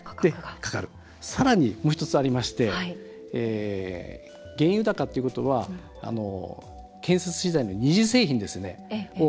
さらにもう１つありまして原油高ということは建設資材の二次製品ですね